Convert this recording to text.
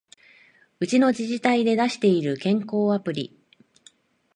うちの自治体で出してる健康アプリ